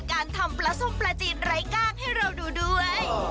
การทำปลาส้มปลาจีนไร้กล้างให้เราดูด้วย